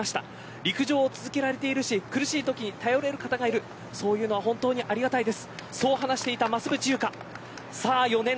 陸上を続けられているし苦しいときに頼れる方がいるそういうのは本当にありがたいです。